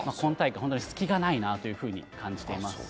本当に隙がないなと感じています。